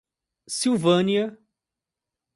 Silvânia